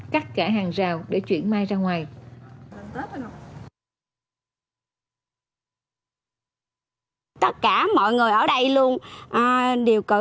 cắt cả hàng rào để chuyển mai ra ngoài